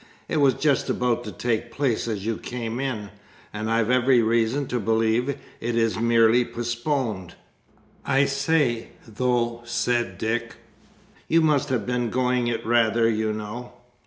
It was just about to take place as you came in; and I've every reason to believe it is merely postponed!" "I say, though," said Dick, "you must have been going it rather, you know.